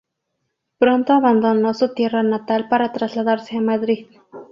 Pronto abandonó su tierra natal para trasladarse a Madrid.